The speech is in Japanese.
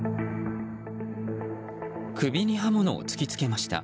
首に刃物を突き付けました。